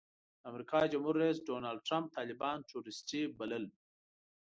د امریکا جمهور رئیس ډانلډ ټرمپ طالبان ټروریسټي بلل.